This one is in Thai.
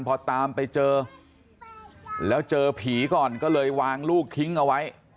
พอตามไปเจอแล้วเจอผีก่อนก็เลยวางลูกทิ้งเอาไว้